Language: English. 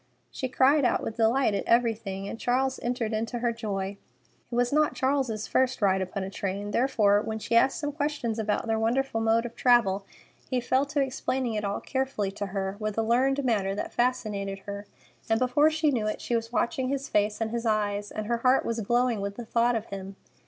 She cried out with delight at everything, and Charles entered into her joy. It was not Charles's first ride upon a train, therefore when she asked some question about their wonderful mode of travel he fell to explaining it all carefully to her, with a learned manner that fascinated her, and before she knew it she was watching his face and his eyes, and her heart was glowing with the thought of him.